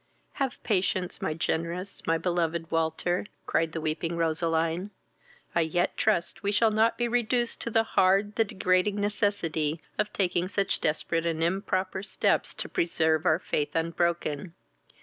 "Have patience, my generous, my beloved Walter, (cried the weeping Roseline;) I yet trust we shall not be reduced to the hard, the degrading necessity of taking such desperate and improper steps to preserve our faith unbroken.